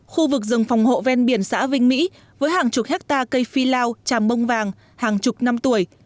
khu vực rừng phòng hộ ven biển xã vinh mỹ với hàng chục hectare cây phi lao tràm bông vàng hàng chục năm tuổi